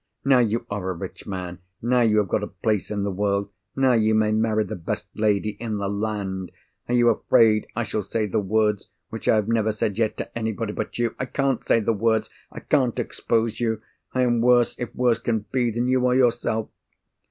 Now you are a rich man, now you have got a place in the world, now you may marry the best lady in the land—are you afraid I shall say the words which I have never said yet to anybody but you? I can't say the words! I can't expose you! I am worse, if worse can be, than you are yourself."